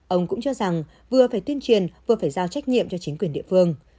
ông cũng cho rằng vừa phải tuyên truyền vừa phải giao trách nhiệm cho chính quyền địa phương